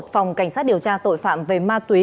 phòng cảnh sát điều tra tội phạm về ma túy